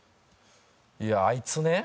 いやあいつね。